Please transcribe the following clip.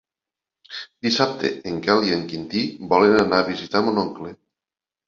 Dissabte en Quel i en Quintí volen anar a visitar mon oncle.